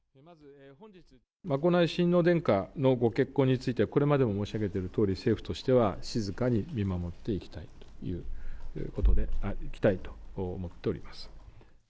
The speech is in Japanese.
眞子内親王殿下のご結婚について、これまで申し上げているとおり、政府としては静かに見守っていきたいと思っております。